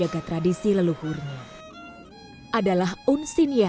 kita abis menerima mereka saya